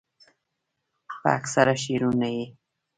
پۀ اکثره شعرونو ئې